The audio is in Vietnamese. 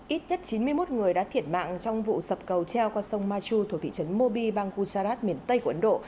ít nhất chín mươi một người đã thiệt mạng trong vụ sập cầu treo qua sông machu thuộc thị trấn mobi bang gujarat miền tây của ấn độ